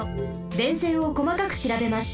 電線をこまかくしらべます。